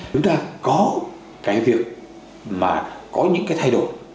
chúng ta có cái việc mà có những cái thay đổi